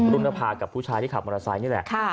รุณภากับผู้ชายที่ขับมอเตอร์ไซค์นี่แหละ